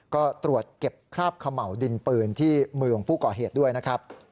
ก็ตรวจเก็บคราบเขม่าวดินปืนที่มือของผู้ก่อเหตุด้วยนะครับ